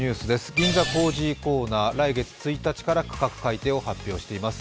銀座コージーコーナー来月１日から価格改定を発表しています。